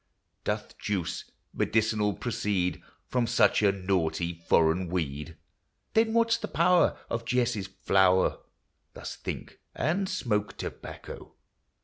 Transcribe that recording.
Doth juice medicinal proceed From such a naughty foreign weed ? Then what 's the power Of Jesse's flower ? Thus think, and smoke tobacco.